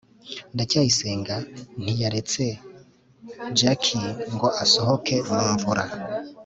ndacyayisenga ntiyaretse jaki ngo asohoke mu mvura